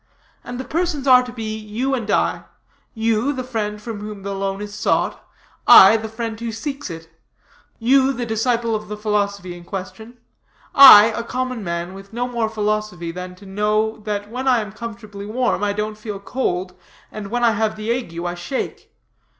And the persons are to be you and I: you, the friend from whom the loan is sought I, the friend who seeks it; you, the disciple of the philosophy in question I, a common man, with no more philosophy than to know that when I am comfortably warm I don't feel cold, and when I have the ague I shake.